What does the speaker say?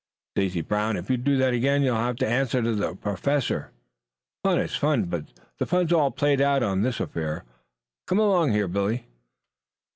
"Stacy Brown, if you do that again you will have to answer to the Professor. Fun is fun, but the fun's all played out of this affair. Come along here, Billy."